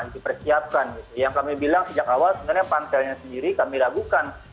yang dipersiapkan yang kami bilang sejak awal sebenarnya panselnya sendiri kami ragukan